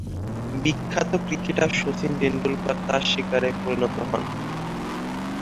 বিখ্যাত ক্রিকেটার শচীন তেন্ডুলকর তার শিকারে পরিণত হন।